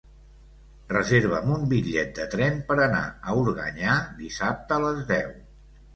Reserva'm un bitllet de tren per anar a Organyà dissabte a les deu.